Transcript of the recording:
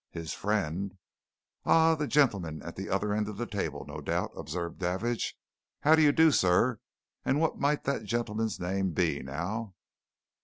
"His friend " "Ah! the gentleman at the other end of the table, no doubt," observed Davidge. "How do you do, sir? And what might that gentleman's name be, now?"